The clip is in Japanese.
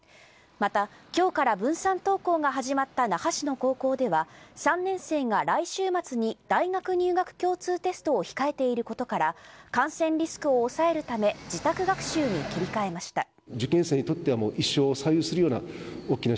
また、今日から分散登校が始まった那覇市の高校では３年生が来週末に大学入学共通テストを控えていることから感染リスクを抑えるため自宅学習に切り替えました。